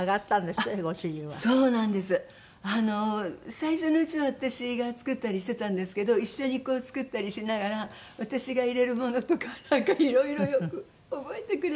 最初のうちは私が作ったりしてたんですけど一緒にこう作ったりしながら私が入れるものとかをなんかいろいろ覚えてくれて。